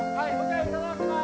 いただきます！